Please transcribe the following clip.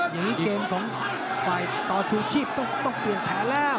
อย่างนี้เกมของต่อชูชีพต้องเปลี่ยนแผลแล้ว